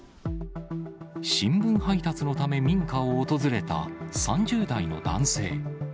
新聞配達のため、民家を訪れた３０代の男性。